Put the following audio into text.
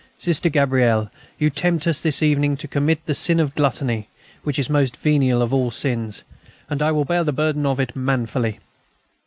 Sister Gabrielle, you tempt us this evening to commit the sin of gluttony, which is the most venial of all sins. And I will bear the burden of it manfully."